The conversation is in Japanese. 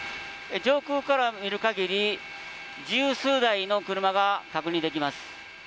上空から見る限り十数台の車が確認できます。